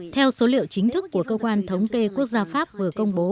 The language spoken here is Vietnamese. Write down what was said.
theo số liệu chính thức của cơ quan thống kê quốc gia pháp vừa công bố